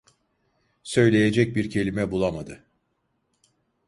Söyleyecek bir kelime bulamadı.